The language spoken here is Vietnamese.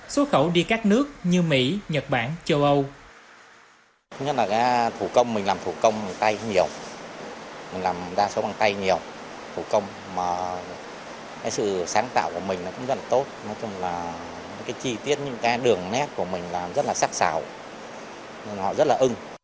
xuất khẩu đi các nước như mỹ nhật bản châu âu